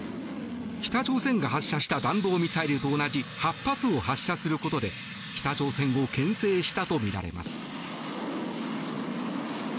北朝鮮が発射した弾道ミサイルと同じ８発を発射することで北朝鮮を牽制したとみられます。